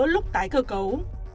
lúc tái cơ cấu